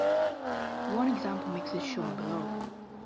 One example mix is shown below.